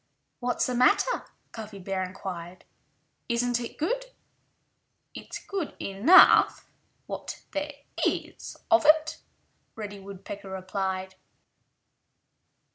"What's the matter?" Cuffy Bear inquired. "Isn't it good?" "It's good enough—what there is of it," Reddy Woodpecker replied.